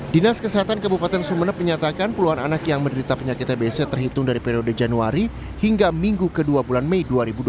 dinas kesehatan kabupaten sumeneb menyatakan puluhan anak yang menderita penyakit tbc terhitung dari periode januari hingga minggu ke dua bulan mei dua ribu dua puluh